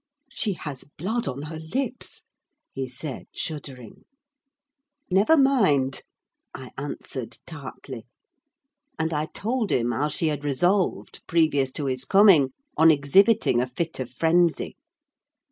"She has blood on her lips!" he said, shuddering. "Never mind!" I answered, tartly. And I told him how she had resolved, previous to his coming, on exhibiting a fit of frenzy.